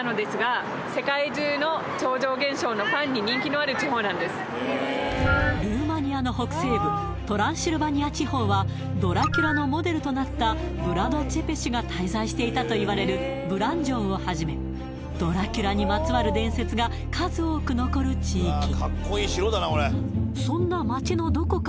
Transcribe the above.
この地方はルーマニアの北西部トランシルバニア地方はドラキュラのモデルとなったヴラド・ツェペシュが滞在していたといわれるブラン城をはじめドラキュラにまつわる伝説が数多く残る地域